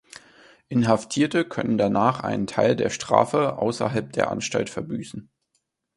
Inhaftierte können danach einen Teil der Strafe außerhalb der Anstalt verbüßen.